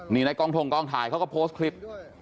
นี่ในกองทงกองถ่ายเขาก็โพสต์คลิป